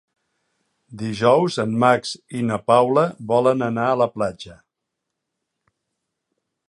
Dijous en Max i na Paula volen anar a la platja.